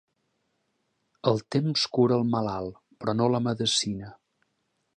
El temps cura el malalt, però no la medecina.